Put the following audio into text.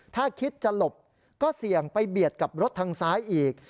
ถ้าคิดจะหลบก็เสี่ยงไปเบียดกับรถทางซ้ายอีก